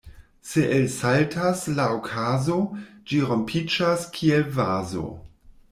Se elsaltas la okazo, ĝi rompiĝas kiel vazo.